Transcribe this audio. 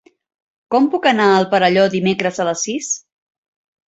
Com puc anar al Perelló dimecres a les sis?